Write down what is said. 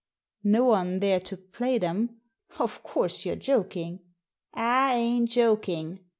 " No one there to play them 1 Of course, you're joking." ^'I ain't joking.